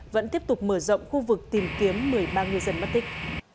vẫn tiếp tục mở rộng khu vực tìm kiếm một mươi ba ngư dân mất tích